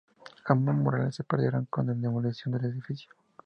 Ambos murales se perdieron con la demolición del edificio.